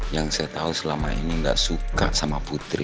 yang saya tau selama ini gak suka sama putri